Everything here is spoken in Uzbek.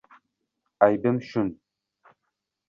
— Aybim shund